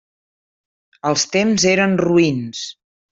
Els temps eren roïns.